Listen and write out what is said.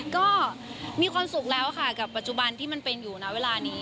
ก็มีความสุขแล้วค่ะกับปัจจุบันที่มันเป็นอยู่นะเวลานี้